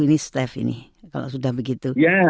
ini stef ini kalau sudah begitu